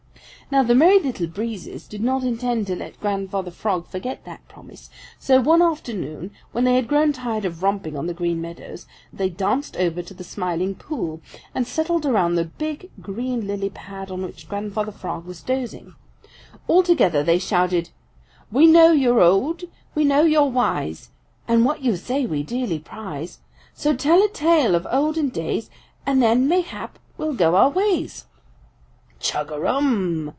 Now the Merry Little Breezes did not intend to let Grandfather Frog forget that promise, so one afternoon when they had grown tired of romping on the Green Meadows, they danced over to the Smiling Pool and settled around the big, green lily pad on which Grandfather Frog was dozing. All together they shouted: "We know you're old; We know you're wise; And what you say We dearly prize. So tell a tale Of olden days, And then, mayhap, We'll go our ways." "Chug a rum!